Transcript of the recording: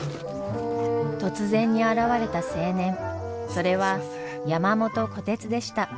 突然に現れた青年それは山元虎鉄でした。